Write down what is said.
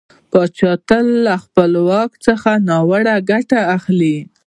پاچا تل له خپله واک څخه ناوړه ګټه اخلي .